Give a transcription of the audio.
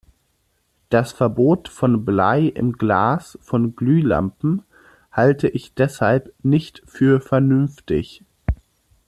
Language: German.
Das Verbot von Blei im Glas von Glühlampen halte ich deshalb nicht für vernünftig.